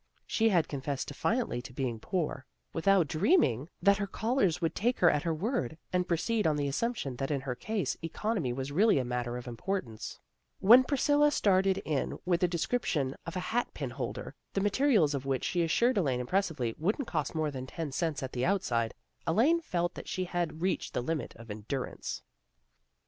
She had confessed defiantly to being poor, without dreaming that 96 THE GIRLS OF FRIENDLY TERRACE her callers would take her at her word, and proceed on the assumption that in her case economy was really a matter of importance. When Priscilla started in with a description of a hat pin holder, the materials of which, she assured Elaine, impressively, wouldn't cost more than ten cents at the outside, Elaine felt that she had reached the limit of endurance.